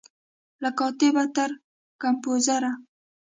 له کاتبه تر کمپوزره